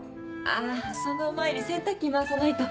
あっその前に洗濯機回さないと。